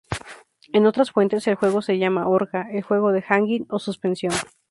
En otras fuentes el juego se llama "Horca", "El Juego de Hangin'", o "Suspensión".